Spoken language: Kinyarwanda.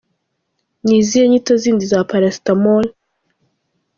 Ni izihe nyito zindi za Paracetamol?.